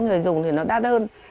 người dùng thì nó đắt hơn